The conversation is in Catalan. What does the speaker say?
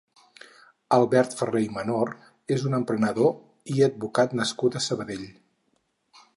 Albert Ferré i Menor és un emprenedor i advocat nascut a Sabadell.